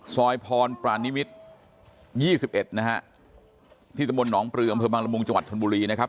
ซอยพรปรานิมิตร๒๑ที่ตมนต์หนองเปลือมเผือบางระมุงจังหวัดธนบุรีนะครับ